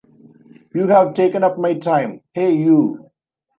"You've taken up my time —." "Hey, you!"